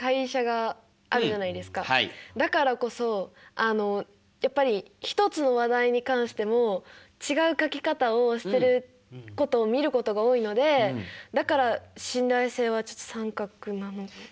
だからこそやっぱり一つの話題に関しても違う書き方をしてることを見ることが多いのでだから信頼性はちょっと△なの。